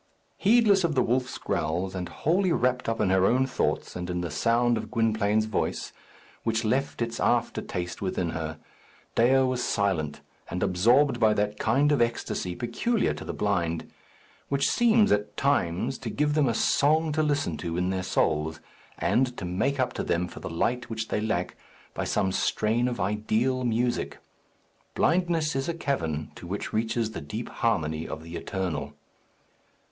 Heedless of the wolf's growls, and wholly wrapped up in her own thoughts and in the sound of Gwynplaine's voice, which left its after taste within her, Dea was silent, and absorbed by that kind of esctasy peculiar to the blind, which seems at times to give them a song to listen to in their souls, and to make up to them for the light which they lack by some strain of ideal music. Blindness is a cavern, to which reaches the deep harmony of the Eternal.